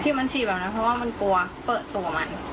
มันฉี่แบบนั้นเพราะว่ามันกลัวเปิดตัวมัน